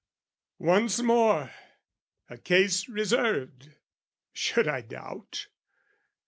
Once more, A case reserved: should I doubt?